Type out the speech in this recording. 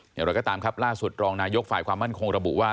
อย่างไรก็ตามครับล่าสุดรองนายกฝ่ายความมั่นคงระบุว่า